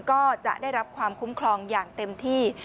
ก็จะได้รับความคุ้มครองอย่างเต็มที่